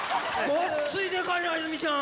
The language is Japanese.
ごっついでかいな、泉ちゃん。